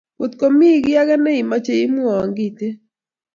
Ngot komii kiy ake neimoche, imwowo kity